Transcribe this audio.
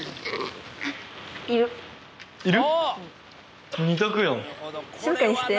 いる？